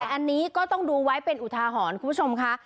แต่อันนี้ก็ต้องดูไว้เป็นอุทาหรณ์คุณผู้ชมค่ะ